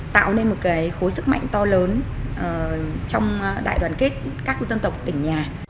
tạo nên một khối sức mạnh to lớn trong đại đoàn kết các dân tộc tỉnh nhà